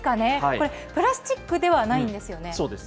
これ、プラスチックではないんでそうです。